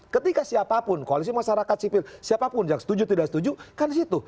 ketika siapapun koalisi masyarakat sipil siapapun yang setuju tidak setuju kan di situ